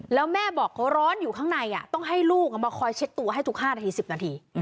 แล้วแม่บอกเขาร้อนอยู่ข้างในต้องให้ลูกมาคอยเช็ดตัวให้ทุก๕นาที๑๐นาที